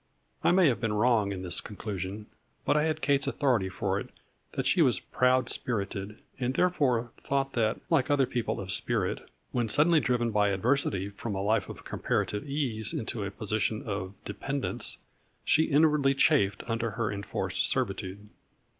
I may have been wrong in this conclusion, but I had Kate's authority for it that she was proud spirited, and therefore thought that, like other people of spirit, when suddenly driven by adversity from a life of com parative ease into a position of dependence, she inwardly chafed under her enforced servitude.